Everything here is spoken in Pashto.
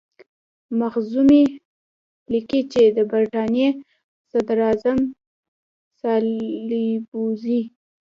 مخزومي لیکي چې د برټانیې صدراعظم سالیزبوري.